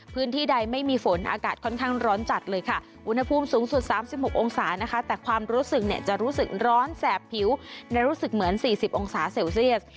พื้นที่ใดไม่มีฝนอากาศค่อนข้างร้อนจัดเลยค่ะอุณหภูมิสูงสุด๓๖องศานะคะแต่ความรู้สึกเนี่ยจะรู้สึกร้อนแสบผิวและรู้สึกเหมือน๔๐องศาเซลเซียส